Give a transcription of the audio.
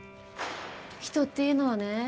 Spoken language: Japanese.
人っていうのはね